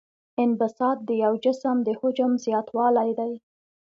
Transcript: انبساط د یو جسم د حجم زیاتوالی دی.